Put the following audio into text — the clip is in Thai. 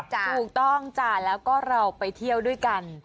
ถูกต้องจ้ะแล้วก็เราไปเที่ยวด้วยกัน